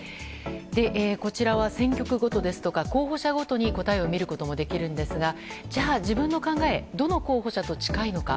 こちらは選挙区ごとですとか候補者ごとに答えを見ることもできるんですがじゃあ自分の考えどの候補者と近いのか。